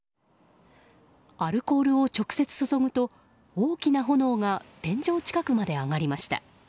アルコールを直接そそぐと大きな炎が天井近くまで上がりました。